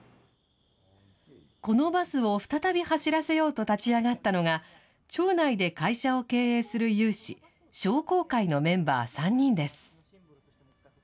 このバスを再び走らせようと立ち上がったのが、町内で会社を経営する有志、商工会のメンバー３人です。